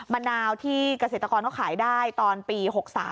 มะนาวที่เกษตรกรเขาขายได้ตอนปี๖๓